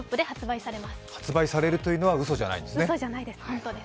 発売されるというのはうそじゃないんですね。